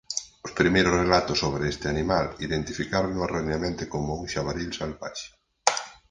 Os primeiros relatos sobre este animal identificárono erroneamente como un xabaril salvaxe.